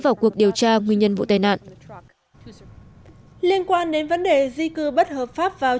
vào cuộc điều tra nguyên nhân vụ tai nạn liên quan đến vấn đề di cư bất hợp pháp vào